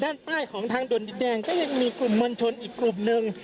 ด้านใต้ของทางด่วนดินแดงก็ยังมีกลุ่มมวลชนอีกกลุ่มหนึ่ง